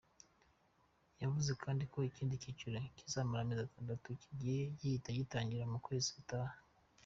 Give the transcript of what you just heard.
Yavuze kandi ko ikindi cyiciro kizamara amezi atandatu kigiye guhita gitangira mu kwezi gutaha.